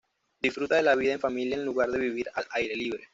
Disfruta de la vida en familia en lugar de vivir al aire libre.